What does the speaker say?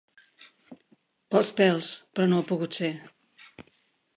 Pel pèls, però no ha pogut ser.